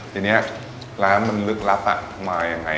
ทีนี้ร้านมันลึกลับมายังไง